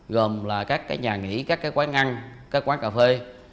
gồm là các nhà nghỉ các quán ăn các quán cà phê